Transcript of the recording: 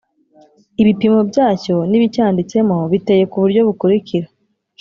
Ibipimo byacyo n’ibicyanditsemo biteye kuburyo bukurikira